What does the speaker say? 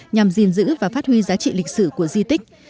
nhằm gìn giữ và phát huy giá trị lịch sử của di tích